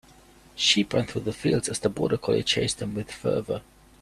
Sheep ran through the fields as the border collie chased them with fervor.